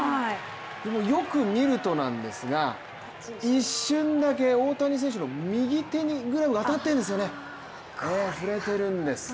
でもよく見るとなんですが、一瞬だけ大谷選手の右手にグラブが当たってるんですよね、触れてるんです。